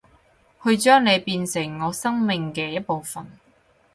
去將你變成我生命嘅一部份